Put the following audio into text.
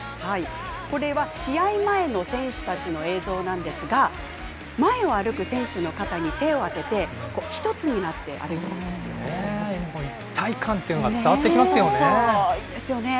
これは試合前の選手たちの映像なんですが、前を歩く選手の肩に手を当てて、１つになって歩いてい一体感というのが伝わってきいいですよね。